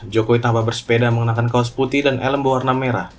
jokowi tanpa bersepeda mengenakan kaos putih dan helm berwarna merah